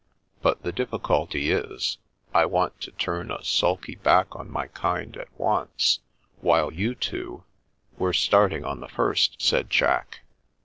But the difficulty is, I want to turn a sulky back on my kind at once, while you two "" We're starting on the first," said Jack.